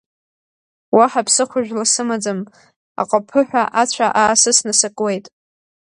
Уаҳа ԥсыхәажәла сымаӡам, аҟаԥыҳәа ацәа аасысны сакуеит.